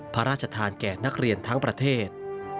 พระราชทานแก่นักเรียนทั้งประเทศ